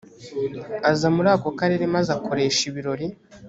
aza muri ako karere maze akoresha ibirori